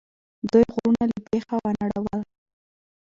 دوی غرونه له بیخه ونړول.